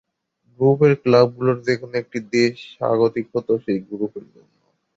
গ্রুপের ক্লাবগুলোর যেকোনো একটি দেশ স্বাগতিক হত সেই গ্রুপের জন্য।